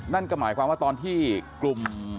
นั่นก็หมายความว่าตอนที่กลุ่ม